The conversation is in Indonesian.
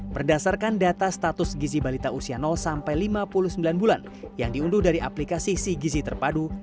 berdasarkan data status gizi balita usia sampai lima puluh sembilan bulan yang diunduh dari aplikasi sigizi terpadu